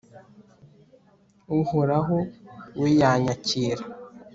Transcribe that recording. uhoraho we yanyakira